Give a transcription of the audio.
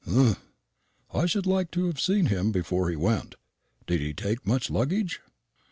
"Humph! I should like to have seen him before he went. Did he take much luggage?"